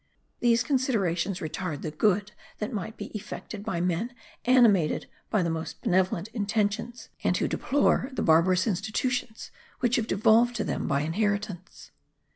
These considerations retard the good that might be effected by men animated by the most benevolent intentions, and who deplore the barbarous institutions which have devolved to them by inheritance.